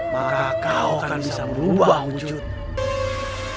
maka kau akan bisa merubah wujudmu